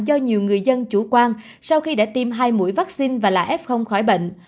do nhiều người dân chủ quan sau khi đã tiêm hai mũi vaccine và là f khỏi bệnh